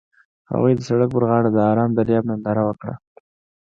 هغوی د سړک پر غاړه د آرام دریاب ننداره وکړه.